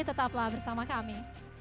tetaplah bersama kami